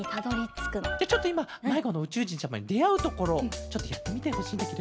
じゃあちょっといままいごのうちゅうじんちゃまにであうところちょっとやってみてほしいんだケロ。